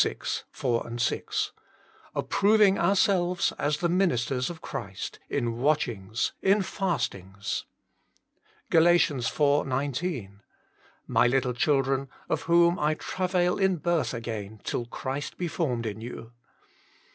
4, 6 :" Approving our selves as the ministers of Christ, in watchings, in fastings" GaL iv. 19: " My little children, of whom / travail in birth again till Christ be formed in you."